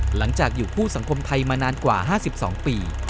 หลังจากอยู่คู่สังคมไทยมานานกว่า๕๒ปี